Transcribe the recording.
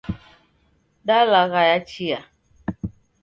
Dalaghaya chia.